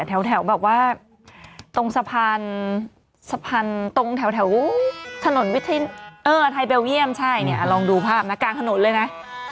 แถวแบบว่าตรงสะพานสะพานตรงแถวถนนวิทยาไทยเบลเยี่ยมใช่เนี่ยลองดูภาพนะกลางถนนเลยนะ